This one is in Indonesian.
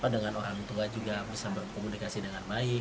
dengan orang tua juga bisa berkomunikasi dengan baik